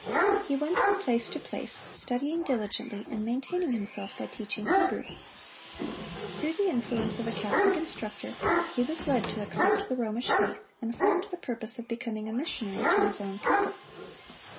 He went from place to place, studying diligently, and maintaining himself by teaching Hebrew. Through the influence of a Catholic instructor, he was led to accept the Romish faith, and formed the purpose of becoming a missionary to his own people.